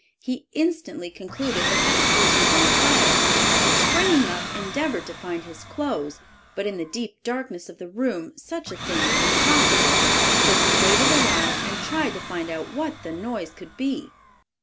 He instantly concluded that the house was on fire, and springing up, endeavored to find his clothes, but in the deep darkness of the room such a thing was impossible; so he waited a while and tried to find out what the noise could be.